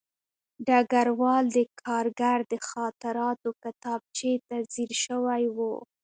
ډګروال د کارګر د خاطراتو کتابچې ته ځیر شوی و